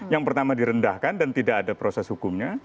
yang pertama direndahkan dan tidak ada proses hukumnya